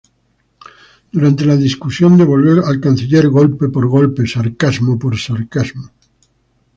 Durante la discusión devolvió al canciller golpe por golpe, sarcasmo por sarcasmo.